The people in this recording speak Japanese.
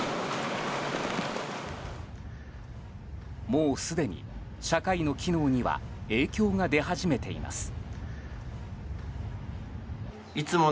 もうすでに社会の機能には影響が出始めています。